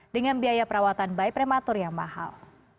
dengan biaya perawatan bayi prematur yang mahal